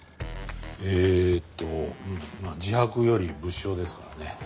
えーっとうんまあ自白より物証ですからね。